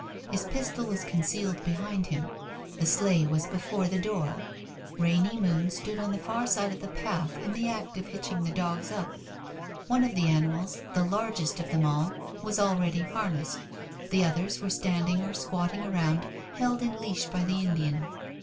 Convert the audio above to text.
His pistol was concealed behind him. The sleigh was before the door. Rainy Moon stood on the far side of the path in the act of hitching the dogs up. One of the animals, the largest of them all, was already harnessed, the others were standing or squatting around, held in leash by the Indian.